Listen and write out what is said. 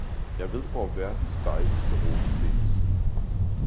Jeg ved, hvor verdens dejligste rose findes!